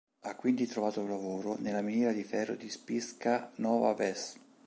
Ha quindi trovato lavoro nella miniera di ferro di Spišská Nová Ves.